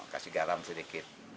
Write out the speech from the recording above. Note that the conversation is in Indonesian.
kasih garam sedikit